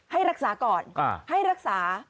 ให้รักษาก่อนให้รักษา